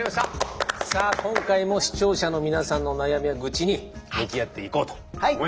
さあ今回も視聴者の皆さんの悩みや愚痴に向き合っていこうと思います。